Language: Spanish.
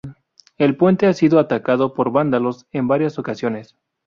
El puente ha sido atacado por vándalos en varias ocasiones.